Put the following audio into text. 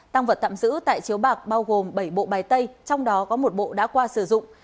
tăng vật tạm giữ tại chiếu bạc bao gồm bảy bộ bài tay trong đó có một bộ đã qua sử dụng